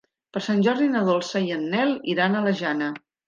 Per Sant Jordi na Dolça i en Nel iran a la Jana.